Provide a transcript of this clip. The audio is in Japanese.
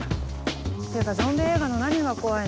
っていうかゾンビ映画の何が怖いの？